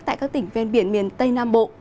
tại các tỉnh ven biển miền tây nam bộ